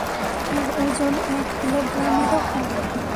আর ওজন এক কিলোগ্রামেরও কম।